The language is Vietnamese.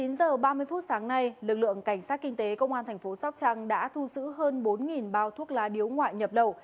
chín giờ ba mươi phút sáng nay lực lượng cảnh sát kinh tế công an tp sóc trăng đã thu sử hơn bốn bao thuốc lá điếu ngoại nhập đầu